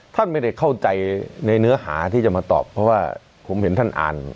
ท่านไม่ได้เข้าใจในเนื้อหาที่จะมาตอบเพราะว่าผมเห็นท่านอ่าน